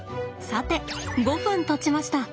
さて５分たちました。